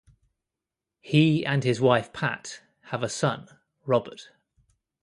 He and his wife Pat have a son, Robert.